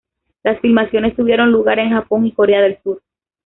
Las filmaciones tuvieron lugar en Japón y Corea del Sur.